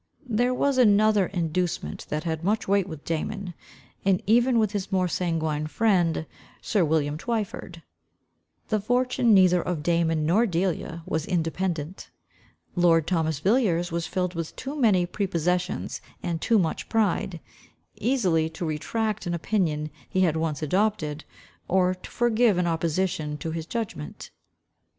There was another inducement that had much weight with Damon, and even with his more sanguine friend, sir William Twyford. The fortune neither of Damon nor Delia was independent. Lord Thomas Villiers was filled with too many prepossessions and too much pride, easily to retract an opinion he had once adopted, or to forgive an opposition to his judgment.